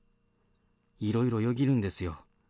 いろいろよぎるんですよ。